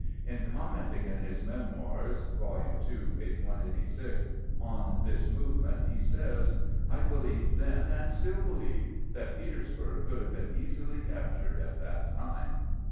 In commenting in his " Memoirs " (Vol. II., page 186) on this movement, he says :" I believed then, and stUl believe, that Peters burg could have been easily captured at that time."